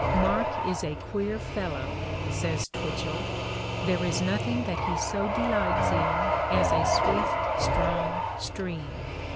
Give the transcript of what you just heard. "Mark is a queer fellow," says Twitchell. "There is nothing that he so delights in as a swift, strong stream.